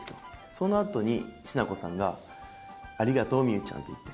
そのあとにしなこさんが「ありがとうみうちゃん」って言って。